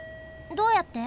どうやって？